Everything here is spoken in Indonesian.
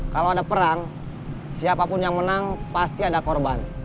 kalau ada perang siapapun yang menang pasti ada korban